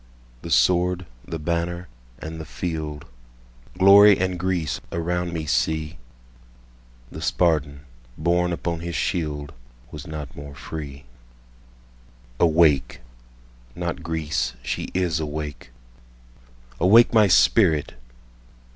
The sword, the banner, and the field, Glory and Greece, around me see! The Spartan, borne upon his shield, Was not more free. Awake! (not Greece—she is awake!)Awake, my spirit!